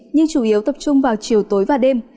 nhưng chủ yếu tập trung vào chiều tối và đêm